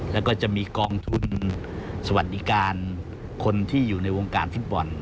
แล้วก็จะมีกองทุนสวัสดิการคนที่อยู่ในวงการฟุตบอล